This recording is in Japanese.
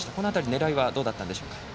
狙いはどうだったんでしょうか。